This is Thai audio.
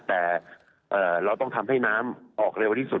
แต่เราต้องทำให้น้ำออกเร็วที่สุด